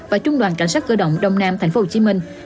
và trung đoàn cảnh sát cơ động đông nam tp hcm